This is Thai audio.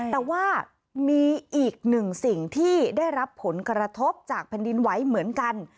แต่ว่ามีอีกหนึ่งสิ่งที่ได้รับผลกระทบจากแผ่นดินไหวเหมือนกัน